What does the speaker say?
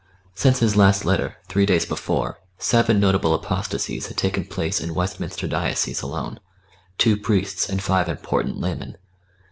Since his last letter, three days before, seven notable apostasies had taken place in Westminster diocese alone, two priests and five important laymen.